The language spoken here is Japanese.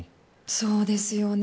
そうですよね。